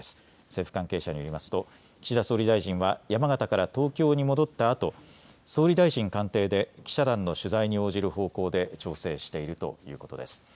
政府関係者によりますと岸田総理大臣は山形から東京に戻ったあと総理大臣官邸で記者団の取材に応じる方向で調整しているということです。